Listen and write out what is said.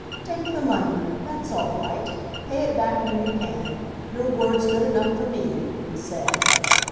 "Take the money ; that's all right. Pay it back when you can. Your word's good enough for me," he said.